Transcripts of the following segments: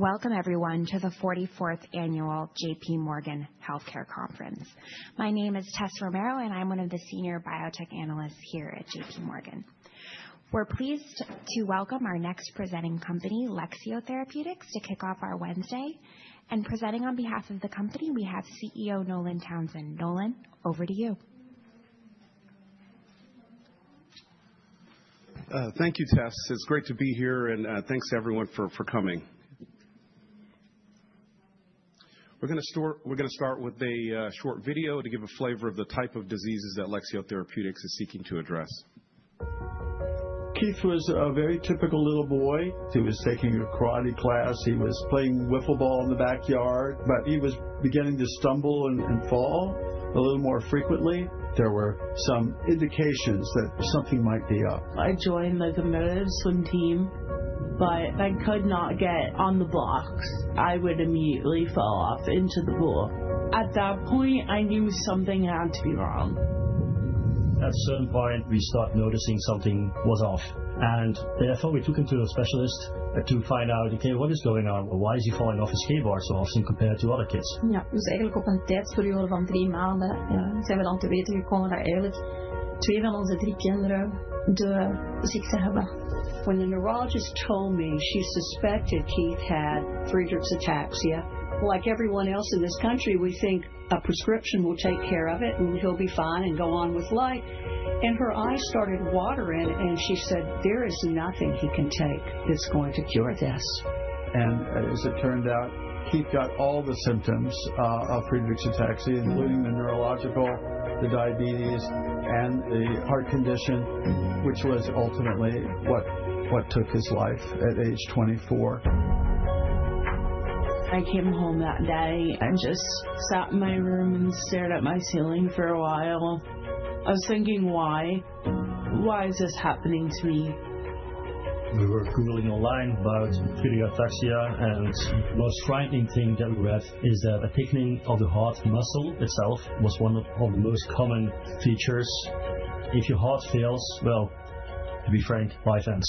Welcome, everyone, to the 44th Annual J.P. Morgan Healthcare Conference. My name is Tessa Romero, and I'm one of the Senior Biotech Analysts here at J.P. Morgan. We're pleased to welcome our next presenting company, Lexeo Therapeutics, to kick off our Wednesday, and presenting on behalf of the company, we have CEO Nolan Townsend. Nolan, over to you. Thank you, Tess. It's great to be here, and thanks to everyone for coming. We're going to start with a short video to give a flavor of the type of diseases that Lexeo Therapeutics is seeking to address. Keith was a very typical little boy. He was taking a karate class. He was playing Wiffle Ball in the backyard, but he was beginning to stumble and fall a little more frequently. There were some indications that something might be up. I joined the DeMatha swim team, but I could not get on the blocks. I would immediately fall off into the pool. At that point, I knew something had to be wrong. At a certain point, we started noticing something was off, and therefore, we took him to a specialist to find out, okay, what is going on? Why is he falling off his skateboard so often compared to other kids? Ja, dus eigenlijk op een tijdsperiode van drie maanden zijn we dan te weten gekomen dat eigenlijk twee van onze drie kinderen de ziekte hebben. When the neurologist told me she suspected Keith had Friedreich's ataxia, like everyone else in this country, we think a prescription will take care of it and he'll be fine and go on with life. Her eyes started watering, and she said, "There is nothing he can take that's going to cure this. As it turned out, Keith got all the symptoms of Friedreich's ataxia, including the neurological, the diabetes, and the heart condition, which was ultimately what took his life at age 24. I came home that day and just sat in my room and stared at my ceiling for a while. I was thinking, "Why? Why is this happening to me? We were Googling online about Friedreich's ataxia, and the most frightening thing that we read is that a thickening of the heart muscle itself was one of the most common features. If your heart fails, well, to be frank, life ends.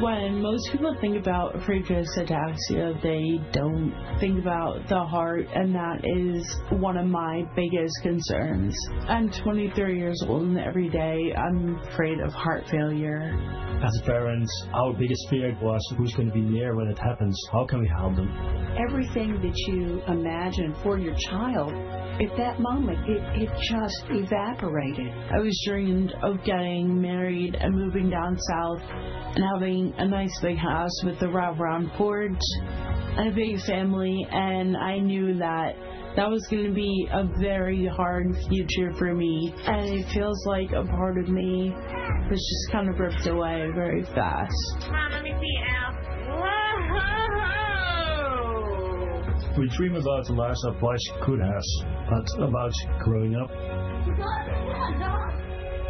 When most people think about Friedreich's ataxia, they don't think about the heart, and that is one of my biggest concerns. I'm 23 years old, and every day I'm afraid of heart failure. As parents, our biggest fear was, who's going to be there when it happens? How can we help them? Everything that you imagine for your child, at that moment, it just evaporated. I was dreaming of getting married and moving down south and having a nice big house with a wraparound porch and a big family. And I knew that that was going to be a very hard future for me. And it feels like a part of me was just kind of ripped away very fast. Mom, let me see your ass. Whoa! We dream about the life a boy could have, but about growing up.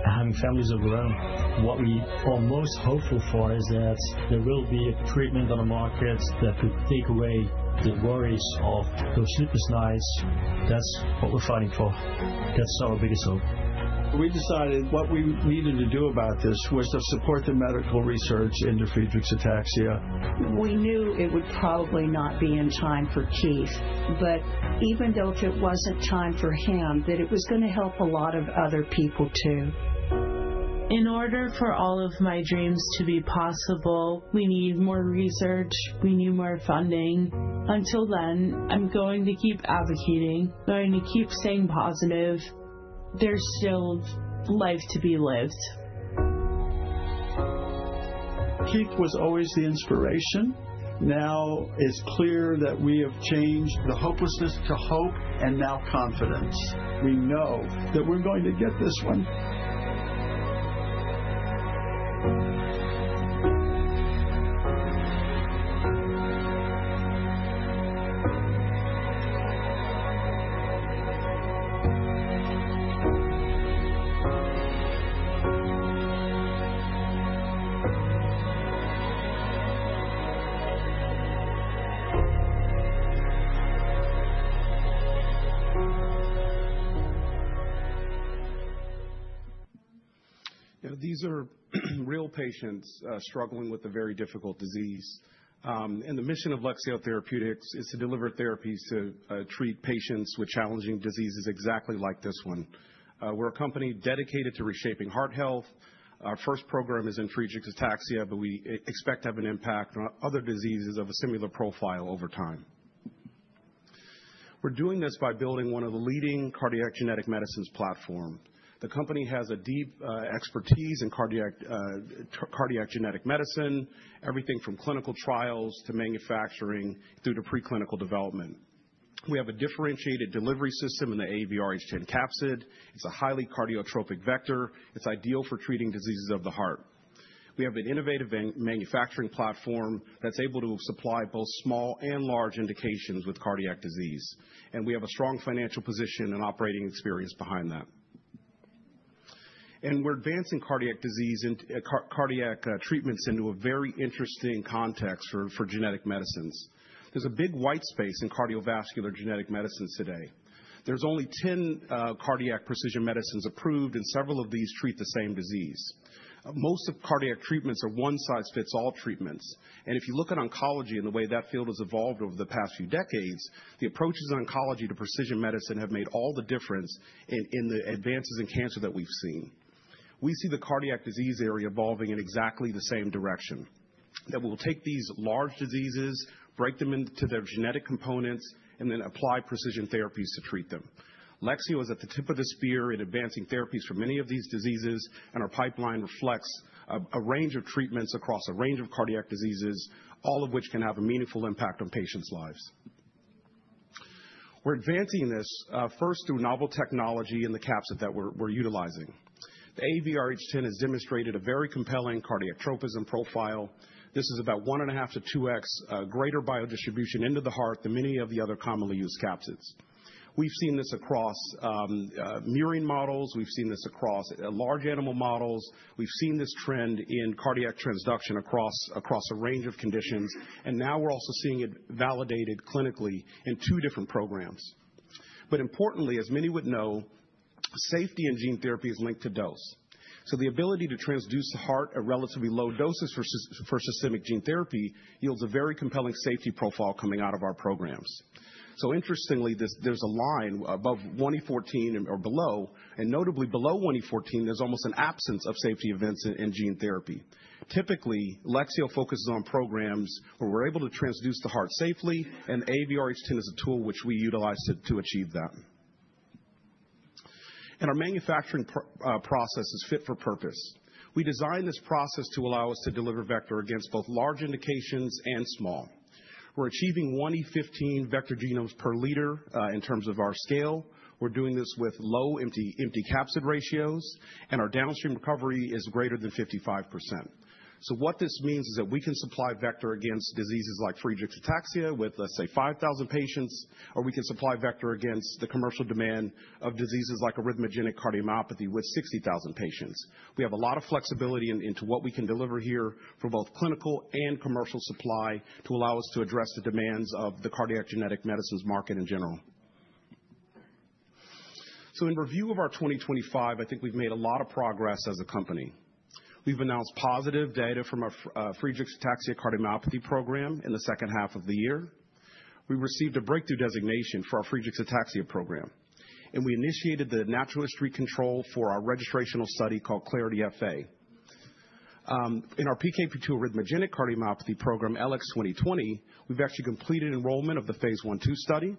Having families of our own, what we are most hopeful for is that there will be a treatment on the market that could take away the worries of those sleepless nights. That's what we're fighting for. That's our biggest hope. We decided what we needed to do about this was to support the medical research into Friedreich's ataxia. We knew it would probably not be in time for Keith, but even though it wasn't time for him, that it was going to help a lot of other people too. In order for all of my dreams to be possible, we need more research. We need more funding. Until then, I'm going to keep advocating, going to keep staying positive. There's still life to be lived. Keith was always the inspiration. Now it's clear that we have changed the hopelessness to hope and now confidence. We know that we're going to get this one. You know, these are real patients struggling with a very difficult disease. And the mission of Lexeo Therapeutics is to deliver therapies to treat patients with challenging diseases exactly like this one. We're a company dedicated to reshaping heart health. Our first program is in Friedreich's ataxia, but we expect to have an impact on other diseases of a similar profile over time. We're doing this by building one of the leading cardiac genetic medicines platforms. The company has a deep expertise in cardiac genetic medicine, everything from clinical trials to manufacturing through to preclinical development. We have a differentiated delivery system in the AAVrh10 capsid. It's a highly cardiotropic vector. It's ideal for treating diseases of the heart. We have an innovative manufacturing platform that's able to supply both small and large indications with cardiac disease. And we have a strong financial position and operating experience behind that. And we're advancing cardiac disease and cardiac treatments into a very interesting context for genetic medicines. There's a big white space in cardiovascular genetic medicines today. There's only 10 cardiac precision medicines approved, and several of these treat the same disease. Most of cardiac treatments are one-size-fits-all treatments. And if you look at oncology and the way that field has evolved over the past few decades, the approaches in oncology to precision medicine have made all the difference in the advances in cancer that we've seen. We see the cardiac disease area evolving in exactly the same direction, that we will take these large diseases, break them into their genetic components, and then apply precision therapies to treat them. Lexeo is at the tip of the spear in advancing therapies for many of these diseases, and our pipeline reflects a range of treatments across a range of cardiac diseases, all of which can have a meaningful impact on patients' lives. We're advancing this first through novel technology in the capsid that we're utilizing. The AAVrh10 has demonstrated a very compelling cardiac tropism profile. This is about one and a half to two x greater biodistribution into the heart than many of the other commonly used capsids. We've seen this across murine models. We've seen this across large animal models. We've seen this trend in cardiac transduction across a range of conditions. And now we're also seeing it validated clinically in two different programs. But importantly, as many would know, safety in gene therapy is linked to dose. So the ability to transduce the heart at relatively low doses for systemic gene therapy yields a very compelling safety profile coming out of our programs. So interestingly, there's a line above 1E14 or below, and notably below 1E14, there's almost an absence of safety events in gene therapy. Typically, Lexeo focuses on programs where we're able to transduce the heart safely, and the AAVrh10 is a tool which we utilize to achieve that. And our manufacturing process is fit for purpose. We designed this process to allow us to deliver vector against both large indications and small. We're achieving 1E15 vector genomes per liter in terms of our scale. We're doing this with low empty-capsid ratios, and our downstream recovery is greater than 55%. So what this means is that we can supply vector against diseases like Friedreich ataxia with, let's say, 5,000 patients, or we can supply vector against the commercial demand of diseases like arrhythmogenic cardiomyopathy with 60,000 patients. We have a lot of flexibility into what we can deliver here for both clinical and commercial supply to allow us to address the demands of the cardiac genetic medicines market in general. So in review of our 2025, I think we've made a lot of progress as a company. We've announced positive data from our Friedreich ataxia cardiomyopathy program in the second half of the year. We received a breakthrough designation for our Friedreich ataxia program, and we initiated the natural history control for our registrational study called CLARITY-FA. In our PKP2 arrhythmogenic cardiomyopathy program, LX2020, we've actually completed enrollment of the phase 1/2 study.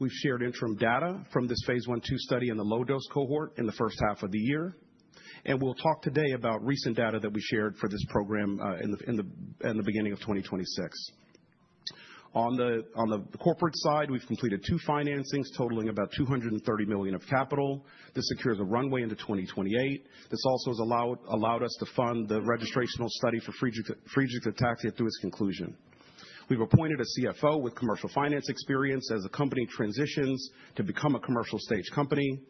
We've shared interim data from this phase 1/2 study in the low-dose cohort in the first half of the year, and we'll talk today about recent data that we shared for this program in the beginning of 2026. On the corporate side, we've completed two financings totaling about $230 million of capital. This secures a runway into 2028. This also has allowed us to fund the registrational study for Friedreich ataxia through its conclusion. We've appointed a CFO with commercial finance experience as the company transitions to become a commercial stage company,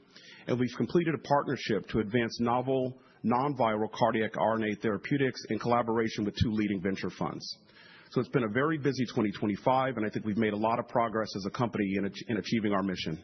and we've completed a partnership to advance novel non-viral cardiac RNA therapeutics in collaboration with two leading venture funds, so it's been a very busy 2025, and I think we've made a lot of progress as a company in achieving our mission.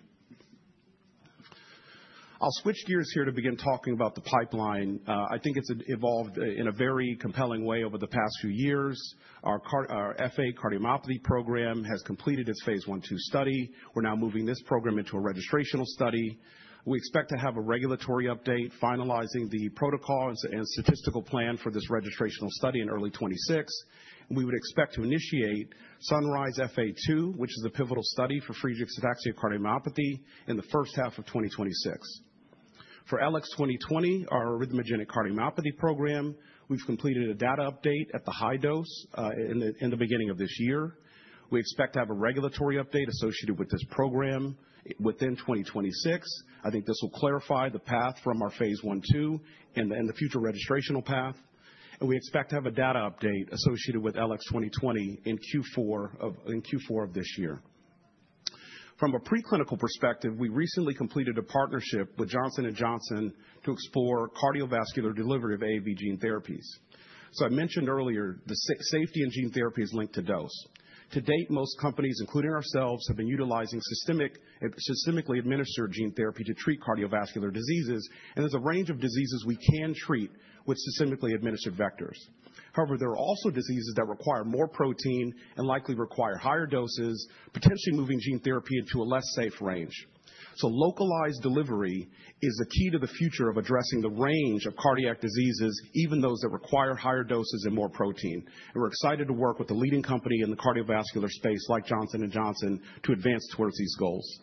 I'll switch gears here to begin talking about the pipeline. I think it's evolved in a very compelling way over the past few years. Our FA cardiomyopathy program has completed its phase 1/2 study. We're now moving this program into a registrational study. We expect to have a regulatory update, finalizing the protocol and statistical plan for this registrational study in early 2026. We would expect to initiate SUNRISE-FA, which is a pivotal study for Friedreich's ataxia cardiomyopathy in the first half of 2026. For LX2020, our arrhythmogenic cardiomyopathy program, we've completed a data update at the high dose in the beginning of this year. We expect to have a regulatory update associated with this program within 2026. I think this will clarify the path from our phase 1/2 and the future registrational path, and we expect to have a data update associated with LX2020 in Q4 of this year. From a preclinical perspective, we recently completed a partnership with Johnson & Johnson to explore cardiovascular delivery of AAV gene therapies. So I mentioned earlier, the safety in gene therapy is linked to dose. To date, most companies, including ourselves, have been utilizing systemically administered gene therapy to treat cardiovascular diseases, and there's a range of diseases we can treat with systemically administered vectors. However, there are also diseases that require more protein and likely require higher doses, potentially moving gene therapy into a less safe range. So localized delivery is the key to the future of addressing the range of cardiac diseases, even those that require higher doses and more protein. And we're excited to work with the leading company in the cardiovascular space, like Johnson & Johnson, to advance towards these goals.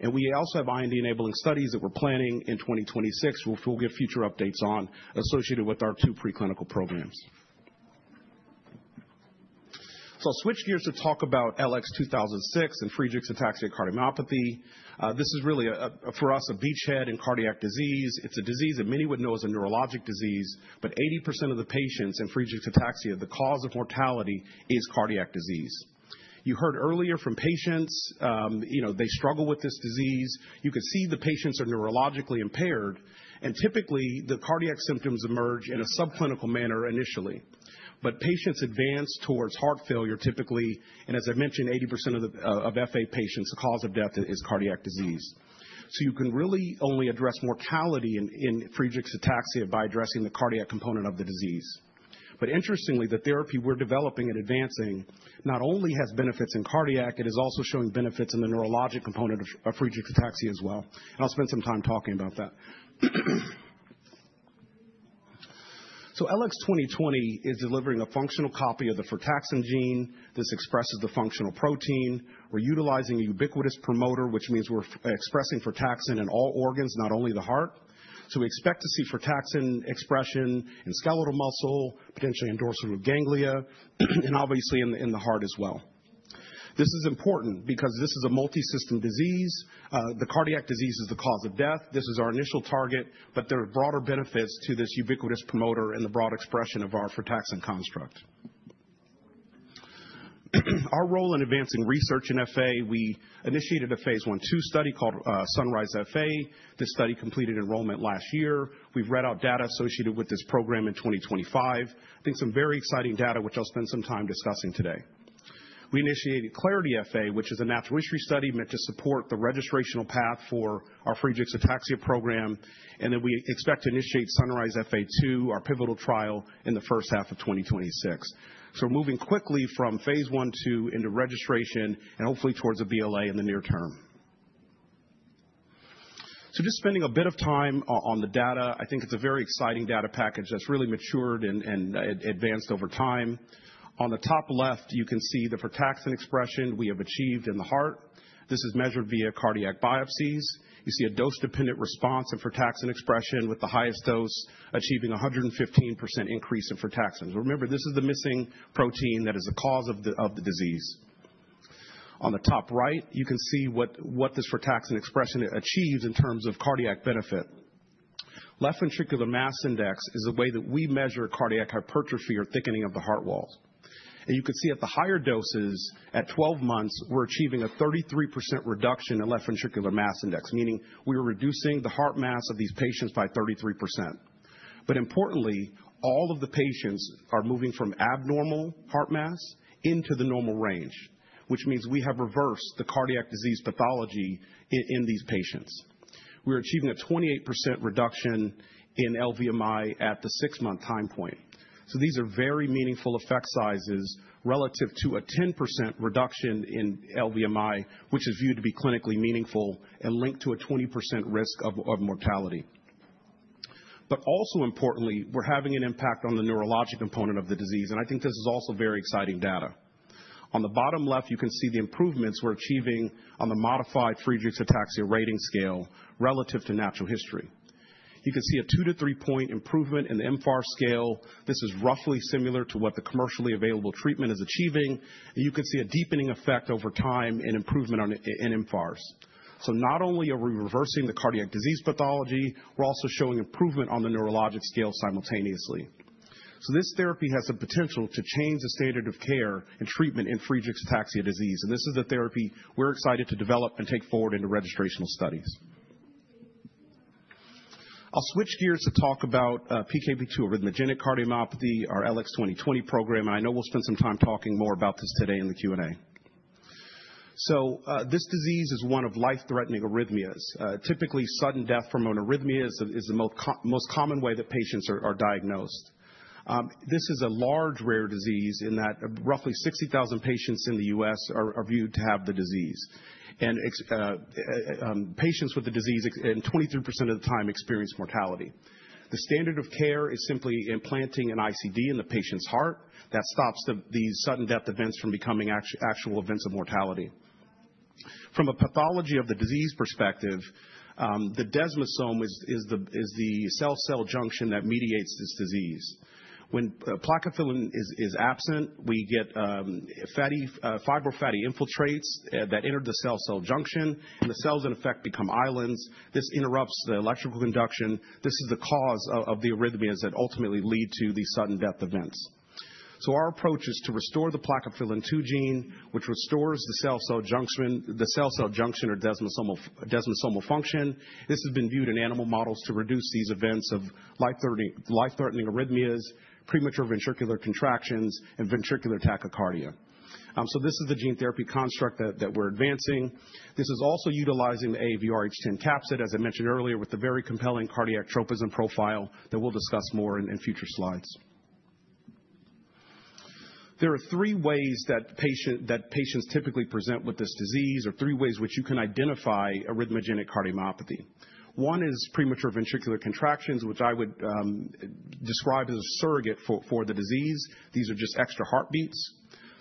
And we also have IND-enabling studies that we're planning in 2026, which we'll give future updates on, associated with our two preclinical programs. So I'll switch gears to talk about LX2006 and Friedreich ataxia cardiomyopathy. This is really, for us, a beachhead in cardiac disease. It's a disease that many would know as a neurologic disease, but 80% of the patients in Friedreich ataxia, the cause of mortality, is cardiac disease. You heard earlier from patients, you know, they struggle with this disease. You could see the patients are neurologically impaired, and typically, the cardiac symptoms emerge in a subclinical manner initially. But patients advance towards heart failure typically, and as I mentioned, 80% of FA patients, the cause of death is cardiac disease. So you can really only address mortality in Friedreich's ataxia by addressing the cardiac component of the disease. But interestingly, the therapy we're developing and advancing not only has benefits in cardiac, it is also showing benefits in the neurologic component of Friedreich ataxia as well. And I'll spend some time talking about that. So LX2020 is delivering a functional copy of the frataxin gene. This expresses the functional protein. We're utilizing a ubiquitous promoter, which means we're expressing frataxin in all organs, not only the heart. So we expect to see frataxin expression in skeletal muscle, potentially in dorsal root ganglia, and obviously in the heart as well. This is important because this is a multisystem disease. The cardiac disease is the cause of death. This is our initial target, but there are broader benefits to this ubiquitous promoter and the broad expression of our frataxin construct. Our role in advancing research in FA, we initiated a phase 1/2 study called SUNRISE-FA. This study completed enrollment last year. We've read out data associated with this program in 2025. I think some very exciting data, which I'll spend some time discussing today. We initiated CLARITY-FA, which is a natural history study meant to support the registrational path for our Friedreich's ataxia program, and then we expect to initiate SUNRISE-FA2, our pivotal trial, in the first half of 2026. So we're moving quickly from phase 1/2 into registration and hopefully towards a BLA in the near term. So just spending a bit of time on the data, I think it's a very exciting data package that's really matured and advanced over time. On the top left, you can see the frataxin expression we have achieved in the heart. This is measured via cardiac biopsies. You see a dose-dependent response in frataxin expression with the highest dose achieving a 115% increase in frataxin. Remember, this is the missing protein that is the cause of the disease. On the top right, you can see what this frataxin expression achieves in terms of cardiac benefit. Left ventricular mass index is a way that we measure cardiac hypertrophy or thickening of the heart wall. And you can see at the higher doses, at 12 months, we're achieving a 33% reduction in left ventricular mass index, meaning we are reducing the heart mass of these patients by 33%. But importantly, all of the patients are moving from abnormal heart mass into the normal range, which means we have reversed the cardiac disease pathology in these patients. We are achieving a 28% reduction in LVMI at the six-month time point. These are very meaningful effect sizes relative to a 10% reduction in LVMI, which is viewed to be clinically meaningful and linked to a 20% risk of mortality. Also importantly, we're having an impact on the neurologic component of the disease, and I think this is also very exciting data. On the bottom left, you can see the improvements we're achieving on the modified Friedreich Ataxia Rating Scale relative to natural history. You can see a 2-3 point improvement in the mFARS scale. This is roughly similar to what the commercially available treatment is achieving. You can see a deepening effect over time and improvement in mFARS. Not only are we reversing the cardiac disease pathology, we're also showing improvement on the neurologic scale simultaneously. This therapy has the potential to change the standard of care and treatment in Friedreich ataxia disease. This is the therapy we're excited to develop and take forward into registrational studies. I'll switch gears to talk about PKP2 arrhythmogenic cardiomyopathy, our LX2020 program, and I know we'll spend some time talking more about this today in the Q&A. This disease is one of life-threatening arrhythmias. Typically, sudden death from an arrhythmia is the most common way that patients are diagnosed. This is a large rare disease in that roughly 60,000 patients in the U.S. are viewed to have the disease. Patients with the disease, 23% of the time, experience mortality. The standard of care is simply implanting an ICD in the patient's heart. That stops these sudden death events from becoming actual events of mortality. From a pathology of the disease perspective, the desmosome is the cell-cell junction that mediates this disease. When plakophilin-2 is absent, we get fibrofatty infiltrates that enter the cell-cell junction, and the cells in effect become islands. This interrupts the electrical conduction. This is the cause of the arrhythmias that ultimately lead to these sudden death events. So our approach is to restore the plakophilin-2 gene, which restores the cell-cell junction or desmosomal function. This has been viewed in animal models to reduce these events of life-threatening arrhythmias, premature ventricular contractions, and ventricular tachycardia. So this is the gene therapy construct that we're advancing. This is also utilizing the AAVrh10 capsid, as I mentioned earlier, with the very compelling cardiac tropism profile that we'll discuss more in future slides. There are three ways that patients typically present with this disease or three ways which you can identify arrhythmogenic cardiomyopathy. One is premature ventricular contractions, which I would describe as a surrogate for the disease. These are just extra heartbeats.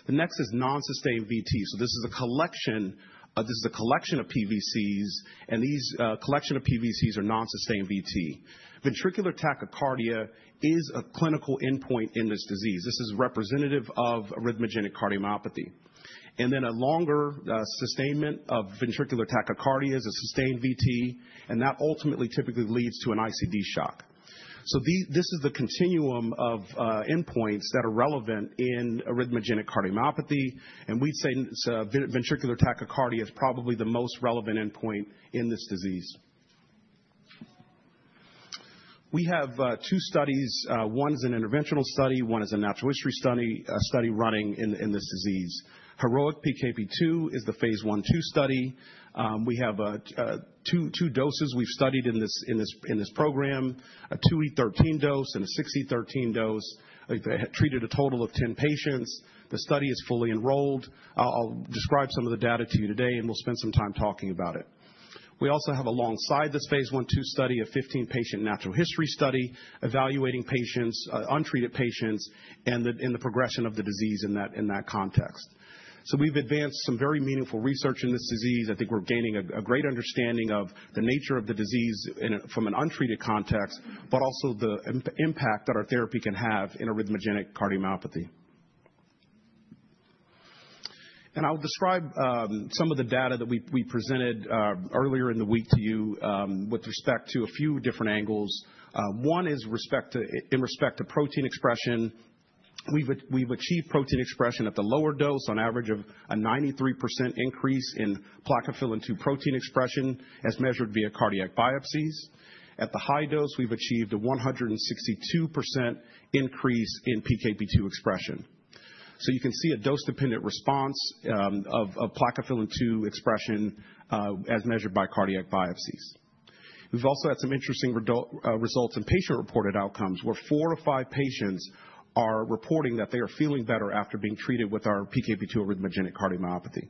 The next is nonsustained VT. So this is a collection of PVCs, and these collection of PVCs are nonsustained VT. Ventricular tachycardia is a clinical endpoint in this disease. This is representative of arrhythmogenic cardiomyopathy. And then a longer sustainment of ventricular tachycardia is a sustained VT, and that ultimately typically leads to an ICD shock. So this is the continuum of endpoints that are relevant in arrhythmogenic cardiomyopathy, and we'd say ventricular tachycardia is probably the most relevant endpoint in this disease. We have two studies. One is an interventional study. One is a natural history study running in this disease. HEROIC-PKP2 is the phase 1/2 study. We have two doses we've studied in this program, a 2E13 dose and a 6E13 dose. They treated a total of 10 patients. The study is fully enrolled. I'll describe some of the data to you today, and we'll spend some time talking about it. We also have, alongside this phase 1/2 study, a 15-patient natural history study evaluating untreated patients and the progression of the disease in that context, so we've advanced some very meaningful research in this disease. I think we're gaining a great understanding of the nature of the disease from an untreated context, but also the impact that our therapy can have in arrhythmogenic cardiomyopathy, and I'll describe some of the data that we presented earlier in the week to you with respect to a few different angles. One is in respect to protein expression. We've achieved protein expression at the lower dose on average of a 93% increase in plakophilin-2 protein expression as measured via cardiac biopsies. At the high dose, we've achieved a 162% increase in PKP2 expression. So you can see a dose-dependent response of plakophilin-2 expression as measured by cardiac biopsies. We've also had some interesting results in patient-reported outcomes where four of five patients are reporting that they are feeling better after being treated with our PKP2 arrhythmogenic cardiomyopathy.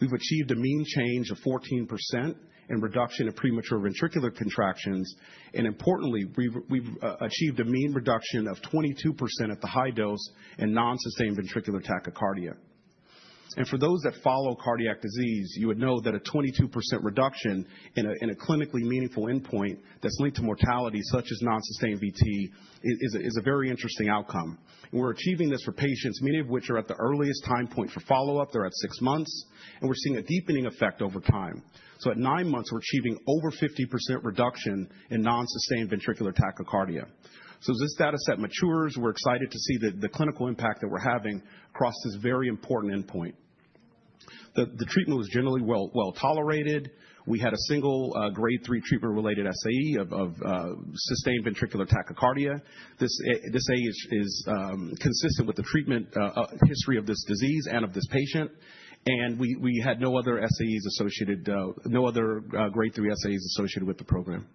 We've achieved a mean change of 14% in reduction in premature ventricular contractions, and importantly, we've achieved a mean reduction of 22% at the high dose in nonsustained ventricular tachycardia. And for those that follow cardiac disease, you would know that a 22% reduction in a clinically meaningful endpoint that's linked to mortality, such as nonsustained VT, is a very interesting outcome. And we're achieving this for patients, many of which are at the earliest time point for follow-up. They're at six months, and we're seeing a deepening effect over time. So at nine months, we're achieving over 50% reduction in nonsustained ventricular tachycardia. As this data set matures, we're excited to see the clinical impact that we're having across this very important endpoint. The treatment was generally well tolerated. We had a single grade three treatment-related SAE of sustained ventricular tachycardia. This SAE is consistent with the treatment history of this disease and of this patient, and we had no other SAEs associated, no other grade three SAEs associated with the program.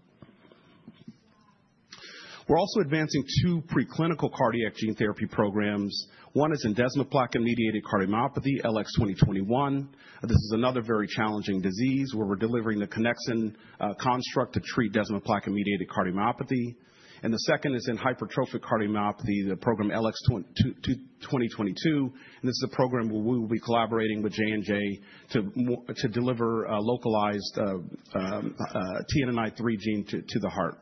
We're also advancing two preclinical cardiac gene therapy programs. One is in desmoplakin-mediated cardiomyopathy, LX2021. This is another very challenging disease where we're delivering the connexin construct to treat desmoplakin-mediated cardiomyopathy. The second is in hypertrophic cardiomyopathy, the program LX2022. This is a program where we will be collaborating with J&J to deliver localized TNNI3 gene to the heart.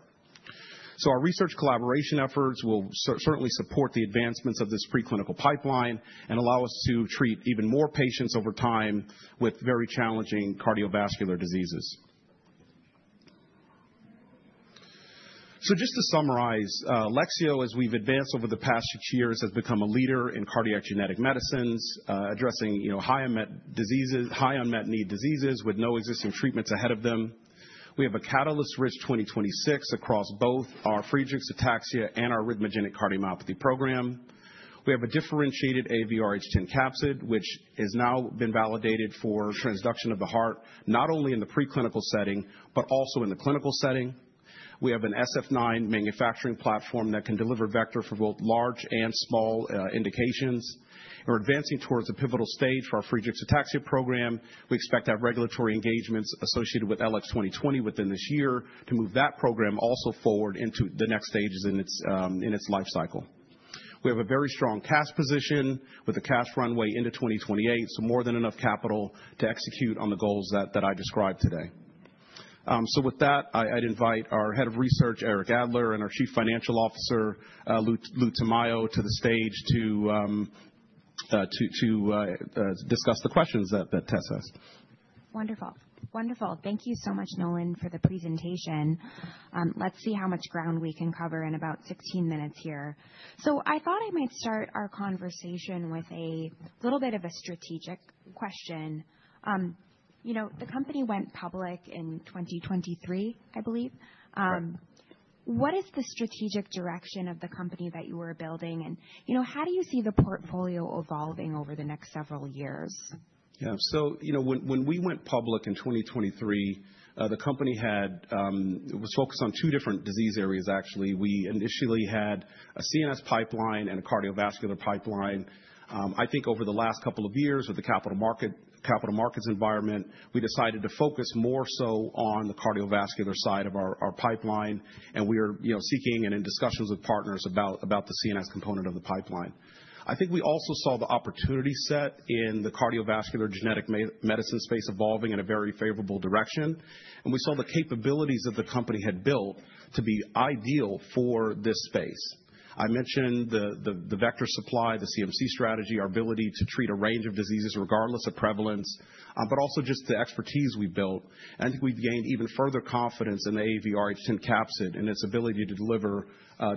So our research collaboration efforts will certainly support the advancements of this preclinical pipeline and allow us to treat even more patients over time with very challenging cardiovascular diseases. So just to summarize, Lexeo, as we've advanced over the past six years, has become a leader in cardiac genetic medicines, addressing high unmet need diseases with no existing treatments ahead of them. We have a catalyst-rich 2026 across both our Friedreich ataxia and our arrhythmogenic cardiomyopathy program. We have a differentiated AAVrh10 capsid, which has now been validated for transduction of the heart, not only in the preclinical setting, but also in the clinical setting. We have an Sf9 manufacturing platform that can deliver vector for both large and small indications. We're advancing towards a pivotal stage for our Friedreich ataxia program. We expect to have regulatory engagements associated with LX2020 within this year to move that program also forward into the next stages in its lifecycle. We have a very strong cash position with a cash runway into 2028, so more than enough capital to execute on the goals that I described today, so with that, I'd invite our Head of Research, Eric Adler, and our Chief Financial Officer, Louis Tamayo, to the stage to discuss the questions that Tessa has. Wonderful. Thank you so much, Nolan, for the presentation. Let's see how much ground we can cover in about 16 minutes here, so I thought I might start our conversation with a little bit of a strategic question. The company went public in 2023, I believe. What is the strategic direction of the company that you are building? How do you see the portfolio evolving over the next several years? Yeah. When we went public in 2023, the company was focused on two different disease areas, actually. We initially had a CNS pipeline and a cardiovascular pipeline. I think over the last couple of years with the capital markets environment, we decided to focus more so on the cardiovascular side of our pipeline, and we are seeking and in discussions with partners about the CNS component of the pipeline. I think we also saw the opportunity set in the cardiovascular genetic medicine space evolving in a very favorable direction, and we saw the capabilities that the company had built to be ideal for this space. I mentioned the vector supply, the CMC strategy, our ability to treat a range of diseases regardless of prevalence, but also just the expertise we built. And I think we've gained even further confidence in the AAVrh10 capsid and its ability to deliver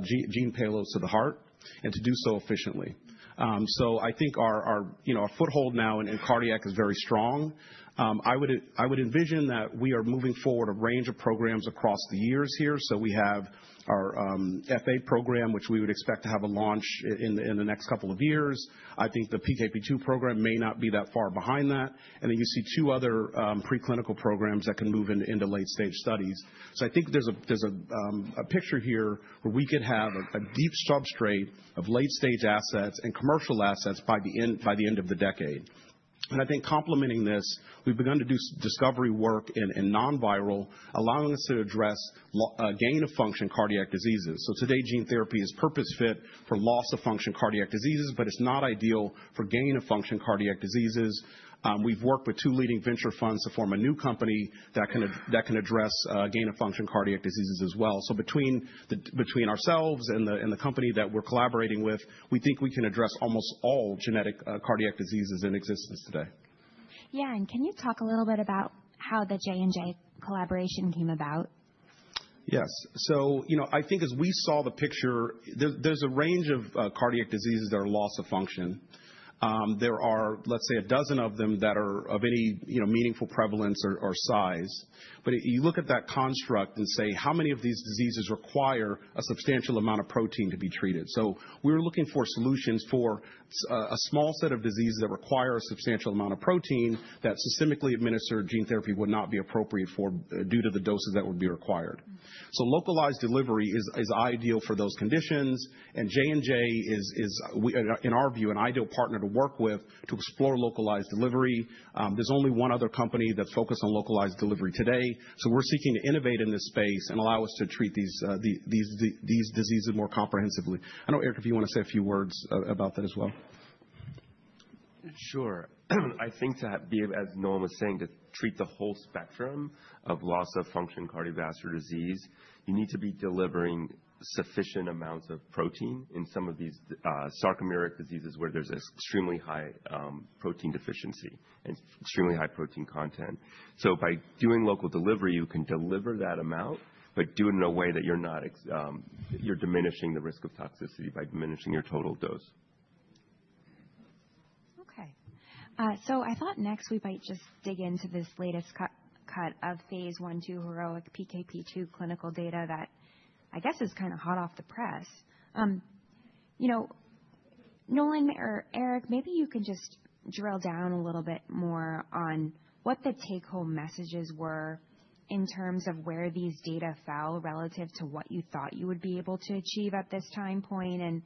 gene payloads to the heart and to do so efficiently. I think our foothold now in cardiac is very strong. I would envision that we are moving forward a range of programs across the years here. So we have our FA program, which we would expect to have a launch in the next couple of years. I think the PKP2 program may not be that far behind that. And then you see two other preclinical programs that can move into late-stage studies. So I think there's a picture here where we could have a deep substrate of late-stage assets and commercial assets by the end of the decade. And I think complementing this, we've begun to do discovery work in non-viral, allowing us to address gain-of-function cardiac diseases. So today, gene therapy is purpose-fit for loss-of-function cardiac diseases, but it's not ideal for gain-of-function cardiac diseases. We've worked with two leading venture funds to form a new company that can address gain-of-function cardiac diseases as well. So between ourselves and the company that we're collaborating with, we think we can address almost all genetic cardiac diseases in existence today. Yeah. And can you talk a little bit about how the J&J collaboration came about? Yes. I think as we saw the picture, there's a range of cardiac diseases that are loss-of-function. There are, let's say, a dozen of them that are of any meaningful prevalence or size. But you look at that construct and say, how many of these diseases require a substantial amount of protein to be treated? We're looking for solutions for a small set of diseases that require a substantial amount of protein that systemically administered gene therapy would not be appropriate due to the doses that would be required. So localized delivery is ideal for those conditions. And J&J is, in our view, an ideal partner to work with to explore localized delivery. There's only one other company that's focused on localized delivery today. So we're seeking to innovate in this space and allow us to treat these diseases more comprehensively. I know, Eric, if you want to say a few words about that as well. Sure. I think to be able, as Nolan was saying, to treat the whole spectrum of loss-of-function cardiovascular disease, you need to be delivering sufficient amounts of protein in some of these sarcomeric diseases where there's extremely high protein deficiency and extremely high protein content. By doing local delivery, you can deliver that amount, but do it in a way that you're diminishing the risk of toxicity by diminishing your total dose. Okay. I thought next we might just dig into this latest cut of phase 1/2 HEROIC-PKP2 clinical data that I guess is kind of hot off the press. Nolan or Eric, maybe you can just drill down a little bit more on what the take-home messages were in terms of where these data fell relative to what you thought you would be able to achieve at this time point, and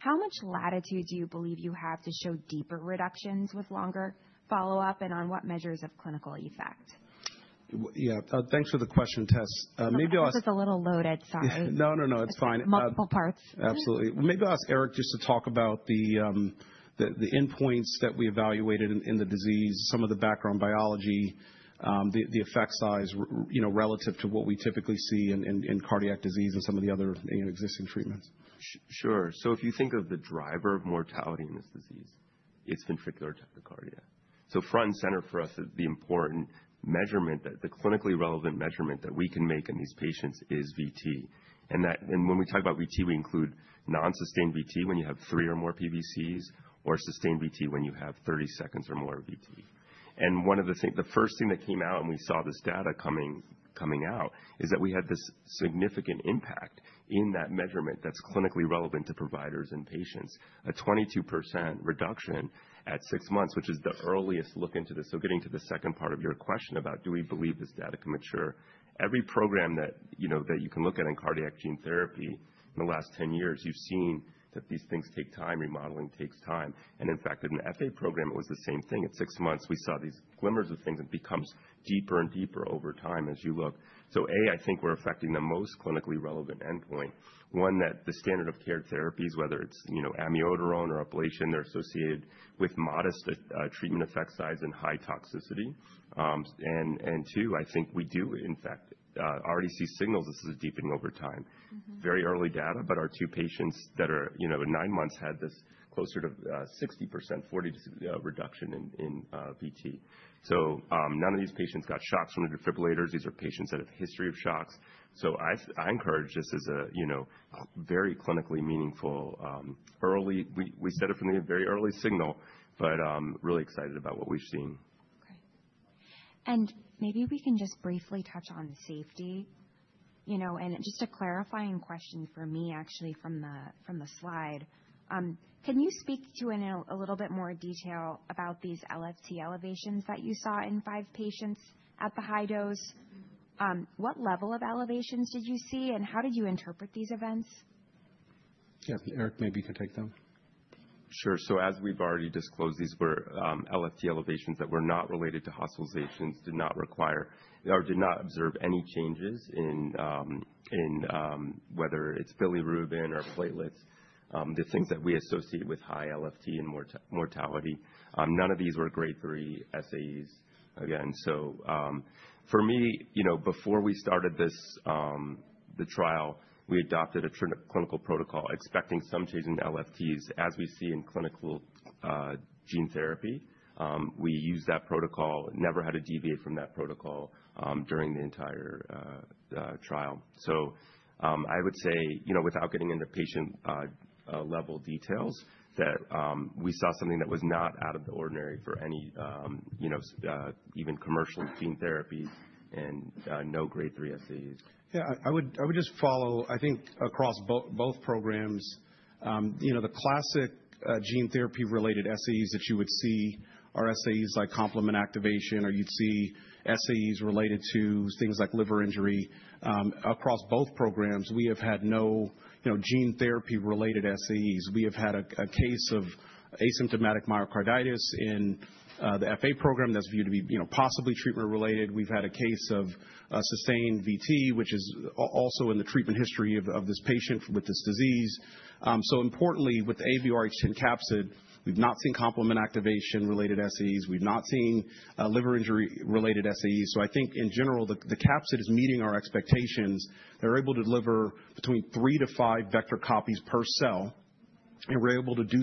how much latitude do you believe you have to show deeper reductions with longer follow-up and on what measures of clinical effect? Yeah. Thanks for the question, Tess. Maybe I'll ask. This is a little loaded. Sorry. No, no, no. It's fine. Multiple parts. Absolutely. Maybe I'll ask Eric just to talk about the endpoints that we evaluated in the disease, some of the background biology, the effect size relative to what we typically see in cardiac disease and some of the other existing treatments. Sure, so if you think of the driver of mortality in this disease, it's ventricular tachycardia, so front and center for us, the important measurement, the clinically relevant measurement that we can make in these patients is VT, and when we talk about VT, we include nonsustained VT when you have three or more PVCs or sustained VT when you have 30 seconds or more of VT. And the first thing that came out and we saw this data coming out is that we had this significant impact in that measurement that's clinically relevant to providers and patients, a 22% reduction at six months, which is the earliest look into this. So getting to the second part of your question about do we believe this data can mature. Every program that you can look at in cardiac gene therapy in the last 10 years, you've seen that these things take time. Remodeling takes time. And in fact, in the FA program, it was the same thing. At six months, we saw these glimmers of things. It becomes deeper and deeper over time as you look. So, A, I think we're affecting the most clinically relevant endpoint, one that the standard of care therapies, whether it's amiodarone or ablation, they're associated with modest treatment effect size and high toxicity. And two, I think we do, in fact, already see signals this is deepening over time. Very early data, but our two patients that are nine months had this closer to 60%, 40% reduction in VT. So none of these patients got shocks from the defibrillators. These are patients that have a history of shocks. So I encourage this as a very clinically meaningful early—we set it from the very early signal, but really excited about what we've seen. Okay. And maybe we can just briefly touch on safety. And just a clarifying question for me, actually, from the slide. Can you speak to in a little bit more detail about these LFT elevations that you saw in five patients at the high dose? What level of elevations did you see, and how did you interpret these events? Yeah. Eric, maybe you can take them. Sure. So as we've already disclosed, these were LFT elevations that were not related to hospitalizations, did not require or did not observe any changes in whether it's bilirubin or platelets, the things that we associate with high LFT and mortality. None of these were grade three SAEs, again. So for me, before we started the trial, we adopted a clinical protocol expecting some change in LFTs as we see in clinical gene therapy. We used that protocol, never had to deviate from that protocol during the entire trial. I would say, without getting into patient-level details, that we saw something that was not out of the ordinary for any even commercial gene therapies and no grade three SAEs. Yeah. I would just follow, I think, across both programs. The classic gene therapy-related SAEs that you would see are SAEs like complement activation, or you'd see SAEs related to things like liver injury. Across both programs, we have had no gene therapy-related SAEs. We have had a case of asymptomatic myocarditis in the FA program that's viewed to be possibly treatment-related. We've had a case of sustained VT, which is also in the treatment history of this patient with this disease. So importantly, with the AAVrh10 capsid, we've not seen complement activation-related SAEs. We've not seen liver injury-related SAEs. So I think, in general, the capsid is meeting our expectations. They're able to deliver between three to five vector copies per cell, and we're able to do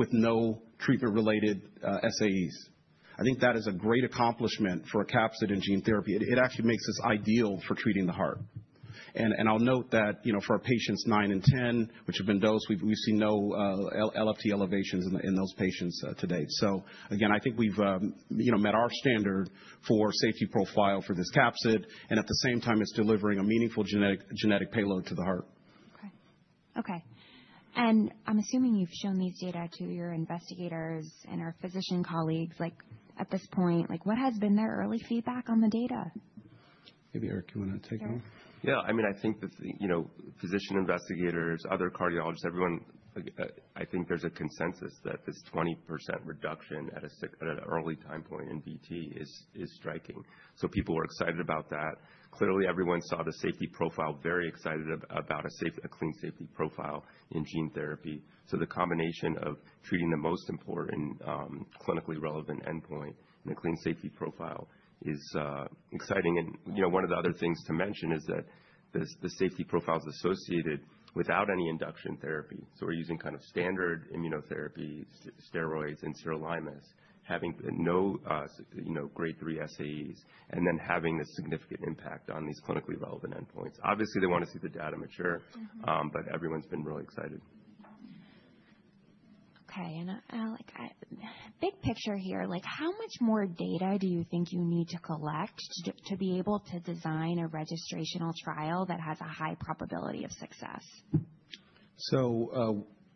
so with no treatment-related SAEs. I think that is a great accomplishment for a capsid in gene therapy. It actually makes us ideal for treating the heart, and I'll note that for our patients nine and 10, which have been dosed, we've seen no LFT elevations in those patients to date, so again, I think we've met our standard for safety profile for this capsid, and at the same time, it's delivering a meaningful genetic payload to the heart. Okay, and I'm assuming you've shown these data to your investigators and our physician colleagues at this point. What has been their early feedback on the data? Maybe Eric, you want to take them? Yeah. I mean, I think that physician investigators, other cardiologists, everyone, I think there's a consensus that this 20% reduction at an early time point in VT is striking. So people were excited about that. Clearly, everyone saw the safety profile, very excited about a clean safety profile in gene therapy. So the combination of treating the most important clinically relevant endpoint in a clean safety profile is exciting. And one of the other things to mention is that the safety profile is associated without any induction therapy. So we're using kind of standard immunotherapy, steroids, and sirolimus, having no grade three SAEs, and then having this significant impact on these clinically relevant endpoints. Obviously, they want to see the data mature, but everyone's been really excited. Okay. Big picture here, how much more data do you think you need to collect to be able to design a registrational trial that has a high probability of success?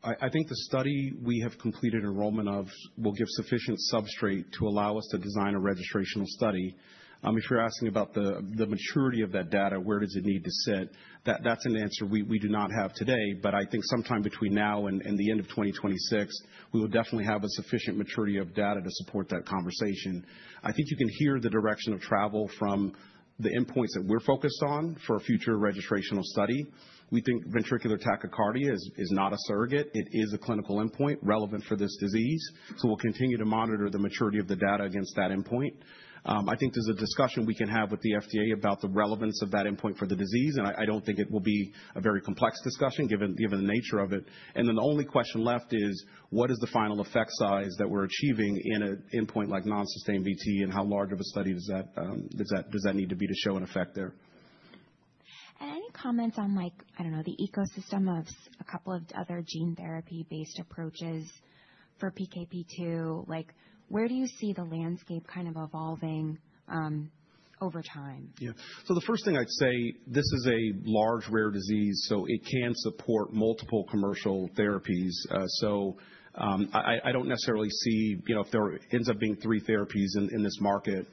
I think the study we have completed enrollment of will give sufficient substrate to allow us to design a registrational study. If you're asking about the maturity of that data, where does it need to sit, that's an answer we do not have today. I think sometime between now and the end of 2026, we will definitely have a sufficient maturity of data to support that conversation. I think you can hear the direction of travel from the endpoints that we're focused on for a future registrational study. We think ventricular tachycardia is not a surrogate. It is a clinical endpoint relevant for this disease. We'll continue to monitor the maturity of the data against that endpoint. I think there's a discussion we can have with the FDA about the relevance of that endpoint for the disease, and I don't think it will be a very complex discussion given the nature of it, and then the only question left is, what is the final effect size that we're achieving in an endpoint like nonsustained VT, and how large of a study does that need to be to show an effect there. And any comments on, I don't know, the ecosystem of a couple of other gene therapy-based approaches for PKP2? Where do you see the landscape kind of evolving over time? Yeah, so the first thing I'd say, this is a large, rare disease, so it can support multiple commercial therapies, so I don't necessarily see if there ends up being three therapies in this market.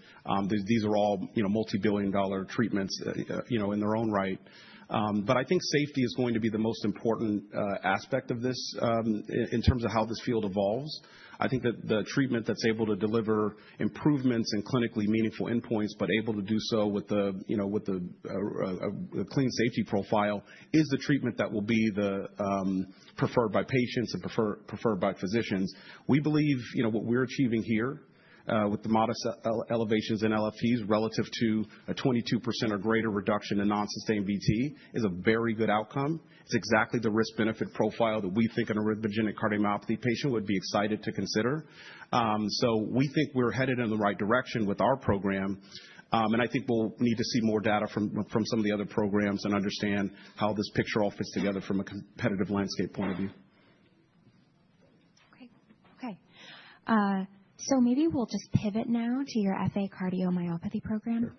These are all multi-billion-dollar treatments in their own right. But I think safety is going to be the most important aspect of this in terms of how this field evolves. I think that the treatment that's able to deliver improvements and clinically meaningful endpoints, but able to do so with the clean safety profile, is the treatment that will be preferred by patients and preferred by physicians. We believe what we're achieving here with the modest elevations in LFTs relative to a 22% or greater reduction in nonsustained VT is a very good outcome. It's exactly the risk-benefit profile that we think an arrhythmogenic cardiomyopathy patient would be excited to consider. So we think we're headed in the right direction with our program. And I think we'll need to see more data from some of the other programs and understand how this picture all fits together from a competitive landscape point of view. Okay. So maybe we'll just pivot now to your FA cardiomyopathy program.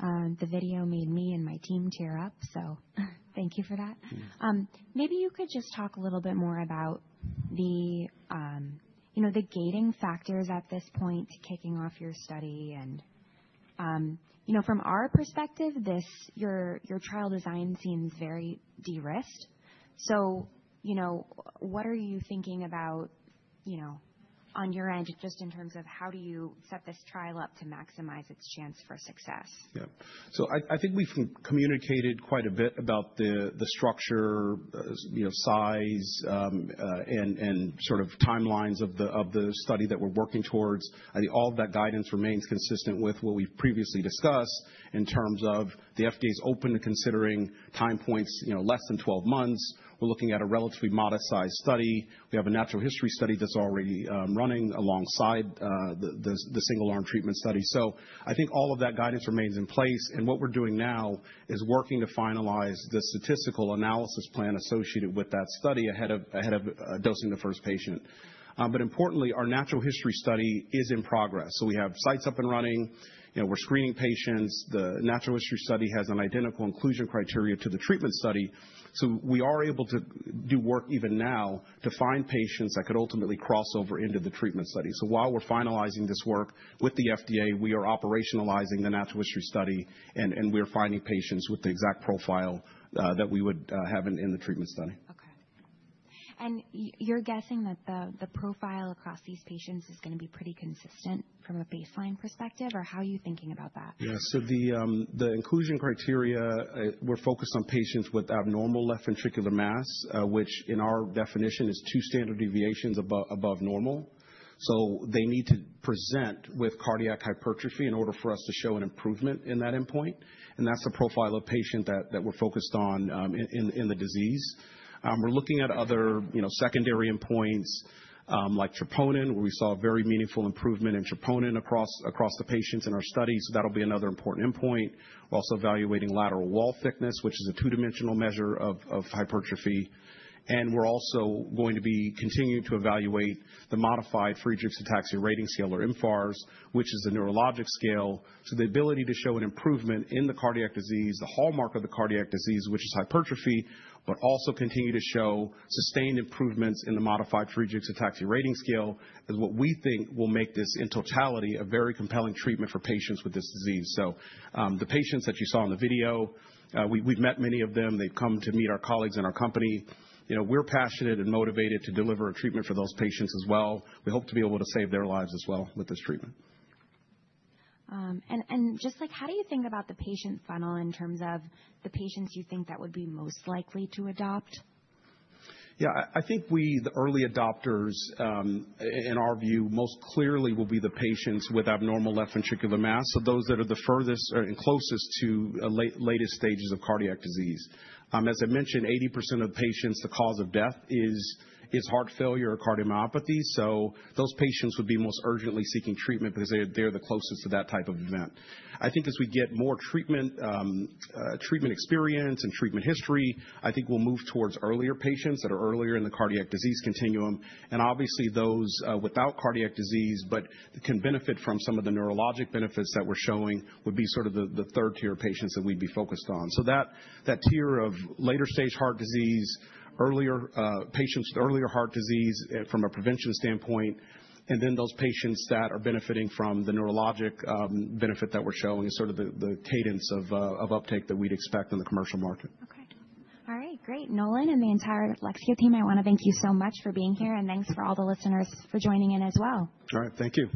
The video made me and my team tear up, so thank you for that. Maybe you could just talk a little bit more about the gating factors at this point kicking off your study. And from our perspective, your trial design seems very de-risked. So what are you thinking about on your end just in terms of how do you set this trial up to maximize its chance for success? Yeah. So I think we've communicated quite a bit about the structure, size, and sort of timelines of the study that we're working towards. I think all of that guidance remains consistent with what we've previously discussed in terms of the FDA's open to considering time points less than 12 months. We're looking at a relatively modest size study. We have a natural history study that's already running alongside the single-arm treatment study. So I think all of that guidance remains in place. And what we're doing now is working to finalize the statistical analysis plan associated with that study ahead of dosing the first patient. But importantly, our natural history study is in progress. So we have sites up and running. We're screening patients. The natural history study has an identical inclusion criteria to the treatment study. So we are able to do work even now to find patients that could ultimately cross over into the treatment study. So while we're finalizing this work with the FDA, we are operationalizing the natural history study, and we're finding patients with the exact profile that we would have in the treatment study. Okay. You're guessing that the profile across these patients is going to be pretty consistent from a baseline perspective, or how are you thinking about that? Yeah. So the inclusion criteria, we're focused on patients with abnormal left ventricular mass, which in our definition is two standard deviations above normal. So they need to present with cardiac hypertrophy in order for us to show an improvement in that endpoint. And that's the profile of patient that we're focused on in the disease. We're looking at other secondary endpoints like troponin, where we saw a very meaningful improvement in troponin across the patients in our study. So that'll be another important endpoint. We're also evaluating lateral wall thickness, which is a two-dimensional measure of hypertrophy. And we're also going to be continuing to evaluate the modified Friedreich Ataxia Rating Scale, or mFARS, which is a neurologic scale. The ability to show an improvement in the cardiac disease, the hallmark of the cardiac disease, which is hypertrophy, but also continue to show sustained improvements in the modified Friedreich Ataxia Rating Scale is what we think will make this, in totality, a very compelling treatment for patients with this disease. So the patients that you saw in the video, we've met many of them. They've come to meet our colleagues in our company. We're passionate and motivated to deliver a treatment for those patients as well. We hope to be able to save their lives as well with this treatment. And just how do you think about the patient funnel in terms of the patients you think that would be most likely to adopt? Yeah. I think the early adopters, in our view, most clearly will be the patients with abnormal left ventricular mass, so those that are the furthest and closest to latest stages of cardiac disease. As I mentioned, 80% of patients, the cause of death is heart failure or cardiomyopathy. So those patients would be most urgently seeking treatment because they're the closest to that type of event. I think as we get more treatment experience and treatment history, I think we'll move towards earlier patients that are earlier in the cardiac disease continuum, and obviously, those without cardiac disease but can benefit from some of the neurologic benefits that we're showing would be sort of the third-tier patients that we'd be focused on. So that tier of later-stage heart disease, earlier patients with earlier heart disease from a prevention standpoint, and then those patients that are benefiting from the neurologic benefit that we're showing is sort of the cadence of uptake that we'd expect in the commercial market. Okay. All right. Great. Nolan and the entire Lexeo team, I want to thank you so much for being here, and thanks for all the listeners for joining in as well. All right. Thank you.